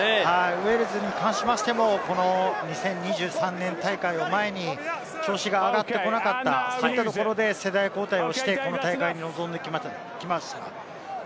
ウェールズに関しても２０２３年大会を前に、調子が上がってこなかったといったところで世代交代をしてこの大会に臨んできました。